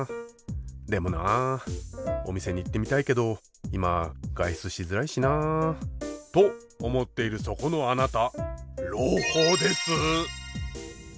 でもなお店に行ってみたいけど今外出しづらいしな。と思っているそこのあなた。